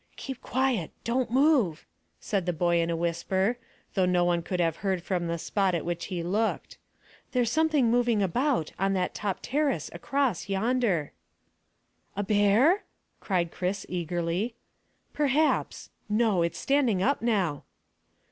"Keep quiet! Don't move," said the boy in a whisper, though no one could have heard from the spot at which he looked. "There's something moving about on that top terrace across yonder." "A bear?" said Chris eagerly. "Perhaps. No; it's standing up now."